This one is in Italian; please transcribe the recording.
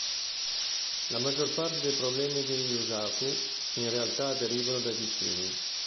La maggior parte dei problemi di Yusaku, in realtà, derivano dai vicini.